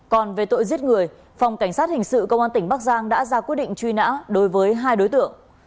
còn về tội giết người phòng cảnh sát hình sự công an tỉnh bắc giang đã ra quyết định truy nã đối với hai đối tượng